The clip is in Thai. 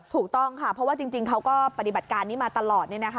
ถูกต้องค่ะเพราะว่าจริงเขาก็ปฏิบัติการนี้มาตลอด